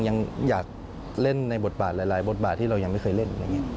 ยังอยากเล่นในบทบาทหลายบทบาทที่เรายังไม่เคยเล่น